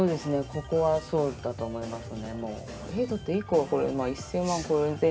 ここはそうだと思います。